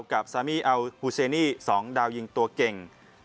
ซามี่อัลฮูเซนี่๒ดาวยิงตัวเก่ง